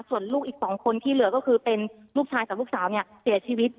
ส่วนลูกอีก๒คนที่เหลือก็คือเป็นลูกชายกับลูกสาวเนี่ยเสียชีวิต